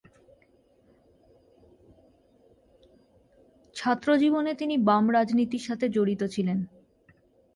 ছাত্র জীবনে তিনি বাম রাজনীতির সাথে জড়িত ছিলেন।